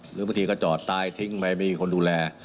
หรือบางทีก็จอดตายทิ้งไปไม่มีคนดูแล